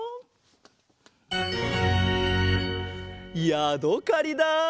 やどかりだ！